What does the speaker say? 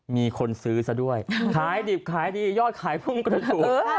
มีคนซื้อซะด้วยขายดิบขายดียอดขายพุ่งกระดูก